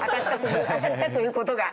当たったということが。